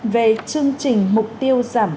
về chương trình mục tiêu giảm